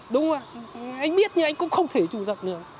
đúng ạ anh biết nhưng anh cũng không thể trù dập nữa